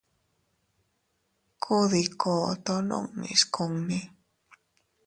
Kuu dii koto nunnis kunni.